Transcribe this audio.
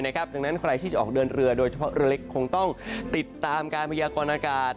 ดังนั้นใครที่จะออกเดินเรือโดยเฉพาะเรือเล็กคงต้องติดตามการพยากรณากาศ